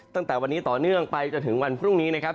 ตั้งแต่วันนี้ต่อเนื่องไปจนถึงวันพรุ่งนี้นะครับ